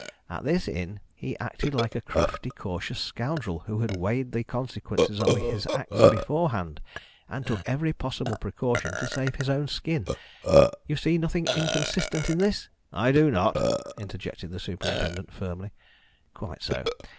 At this inn he acted like a crafty cautious scoundrel who had weighed the consequences of his acts beforehand, and took every possible precaution to save his own skin. You see nothing inconsistent in this " "I do not," interjected the superintendent firmly. "Quite so.